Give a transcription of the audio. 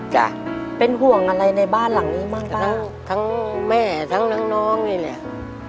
จ้ะเป็นห่วงอะไรในบ้านหลังนี้บ้างจ้ะทั้งแม่ทั้งน้องน้องนี่แหละ